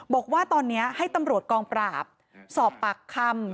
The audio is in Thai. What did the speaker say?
บอกว่าตอนนี้ให้ตำรวจกองปราบสอบปากคำ